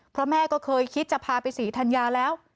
เพราะแม่ก็เคยคิดจะพาไปศรีธัญญาแล้ว